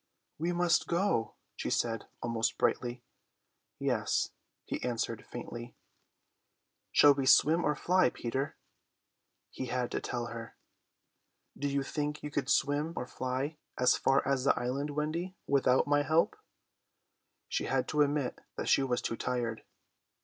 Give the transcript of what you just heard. "We must go," she said, almost brightly. "Yes," he answered faintly. "Shall we swim or fly, Peter?" He had to tell her. "Do you think you could swim or fly as far as the island, Wendy, without my help?" She had to admit that she was too tired.